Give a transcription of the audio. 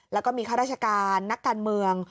แล้วก็มีข้าราชการนักการเมือง